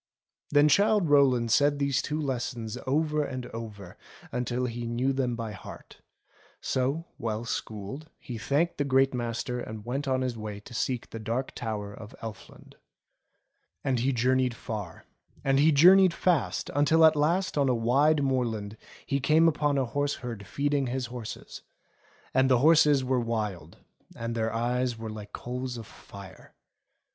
Then Childe Rowland said these two lessons over and over until he knew them by heart ; so, well schooled, he thanked the Great Master and went on his way to seek the Dark Tower of Elfland. And he journeyed far, and he journeyed fast, until at last on a wide moorland he came upon a horse herd feeding his horses ; and the horses were wild, and their eyes were like coals of fire.